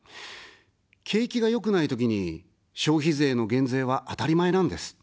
景気が良くないときに、消費税の減税は当たり前なんです。